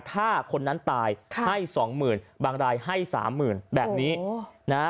ถ้าคนนั้นตายให้๒๐๐๐๐บางรายให้๓๐๐๐๐แบบนี้นะฮะ